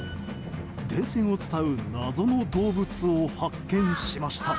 電線を伝う謎の動物を発見しました。